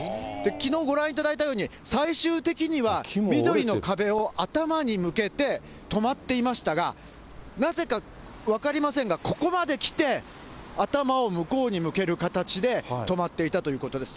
きのうご覧いただいたように、最終的には、緑の壁を頭に向けて止まっていましたが、なぜか分かりませんが、ここまで来て、頭を向こうに向ける形で止まっていたということです。